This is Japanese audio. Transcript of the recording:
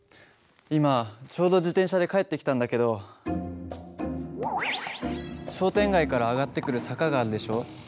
今ちょうど自転車で帰ってきたんだけど商店街から上がってくる坂があるでしょ。